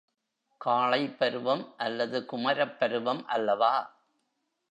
காளைப் பருவம் அல்லது குமரப் பருவம் அல்லவா?